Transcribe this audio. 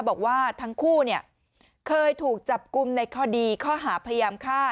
บอกว่าทั้งคู่เคยถูกจับกลุ่มในคดีข้อหาพยายามฆ่า